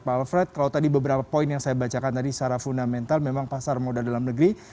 pak alfred kalau tadi beberapa poin yang saya bacakan tadi secara fundamental memang pasar modal dalam negeri